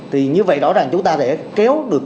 thì như vậy rõ ràng chúng ta sẽ kéo được